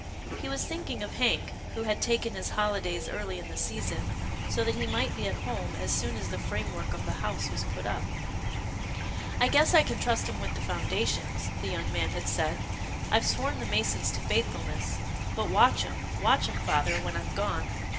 He was thinking of Hank, who had taken his holidays early in the season so that he might be at home as soon as the framework of the house was put up. " I guess I can trust 'em with the foundation," the young man had said, " I've sworn the masons to faithfulness — but watch 'em, watch 'em, father, when I'm gone.